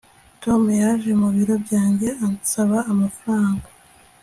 Tom yaje mu biro byanjye ansaba amafaranga